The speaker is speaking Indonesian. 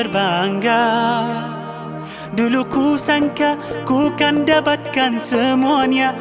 bangga dulu ku sangka ku kan dapatkan semuanya